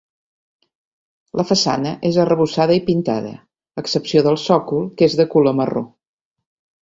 La façana és arrebossada i pintada, a excepció del sòcol que és de color marró.